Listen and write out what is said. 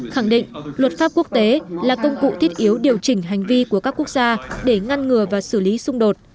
khẳng định luật pháp quốc tế là công cụ thiết yếu điều chỉnh hành vi của các quốc gia để ngăn ngừa và xử lý xung đột